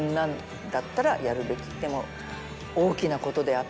でも。